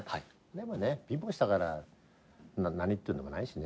でもね貧乏したから何っていうんでもないしね。